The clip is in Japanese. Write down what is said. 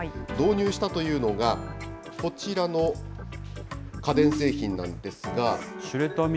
導入したというのが、こちらの家電製品なんですが。